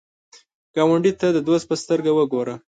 ګاونډي ته د دوست په سترګه وګوره